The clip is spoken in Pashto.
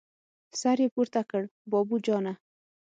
سر يې پورته کړ: بابو جانه!